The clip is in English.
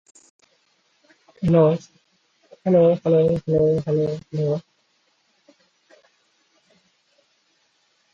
The early fortress comprised five bastions, multiple soil ridges, and water channels.